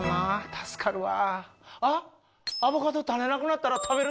助かるわ。